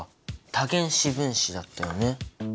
多原子分子だったよね。